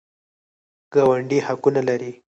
ګاونډي حقونه لري